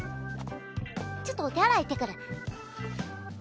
ちょっとお手洗い行ってくる。